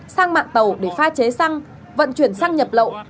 sang mạng tàu để pha chế xăng vận chuyển xăng nhập lậu